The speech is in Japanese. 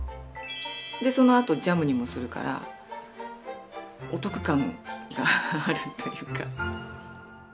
でそのあとジャムにもするからお得感があるというか。